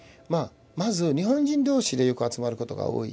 まず日本人同士でよく集まることが多い。